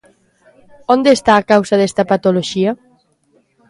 Onde está a causa desta patoloxía?